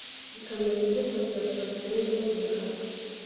bukameza imbuto bugatoshya n ingundu bugaha